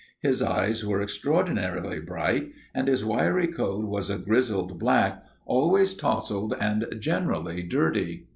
His eyes were extraordinarily bright and his wiry coat was a grizzled black, always tousled and generally dirty.